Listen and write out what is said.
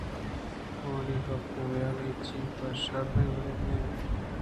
آوانی گپ ءُحال ہچی پہ شرّیں وڑے ءَ نہ اِت اَنت